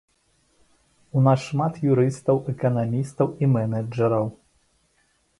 У нас шмат юрыстаў, эканамістаў і менеджараў.